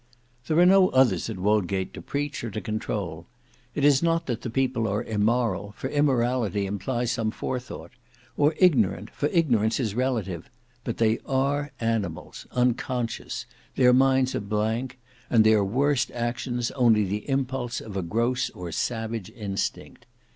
There are no others at Wodgate to preach or to control. It is not that the people are immoral, for immorality implies some forethought; or ignorant, for ignorance is relative; but they are animals; unconscious; their minds a blank; and their worst actions only the impulse of a gross or savage instinct.